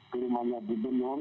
ke rumahnya gubernur